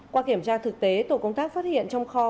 qua kiểm tra thực tế tổ công tác phát hiện trong kho